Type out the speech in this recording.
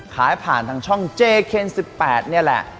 ขายผ่านทางช่องเจเคน๑๘นี่แหละ